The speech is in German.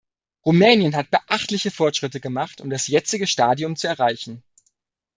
Rumänien hat beachtliche Fortschritte gemacht, um das jetzige Stadium zu erreichen.